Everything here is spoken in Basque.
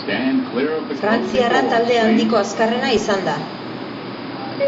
Frantziarra talde handiko azkarrena izan da.